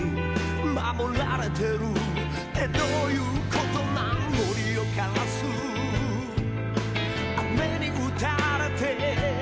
「守られてるってどうゆうことなん」「森を枯らす雨にうたれて」